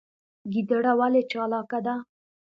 ګیدړه ولې چالاکه ده؟